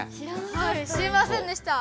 はい知りませんでした。